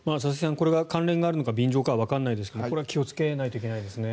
これが関連があるのか便乗かはわからないですがこれは気をつけないといけないですね。